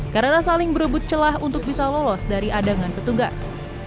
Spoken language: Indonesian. karena saling berebut celah untuk bisa lolos dari adangan petugas